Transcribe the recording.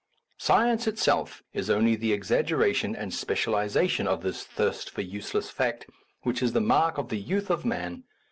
Science itself is only the exag geration and specialization of this thirst for useless fact, which is the mark of the youth of man.